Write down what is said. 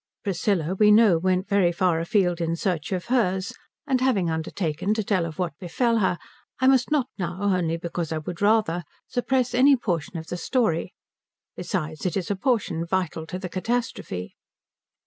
Priscilla, we know, went very far afield in search of hers, and having undertaken to tell of what befell her I must not now, only because I would rather, suppress any portion of the story. Besides, it is a portion vital to the catastrophe.